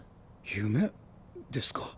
夢ですか？